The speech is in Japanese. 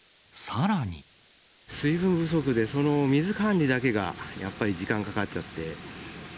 水分不足で、その水管理だけが、やっぱり時間かかっちゃって。